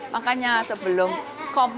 makanya sebelum komentar